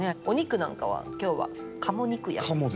お肉なんかは今日はカモ肉焼き。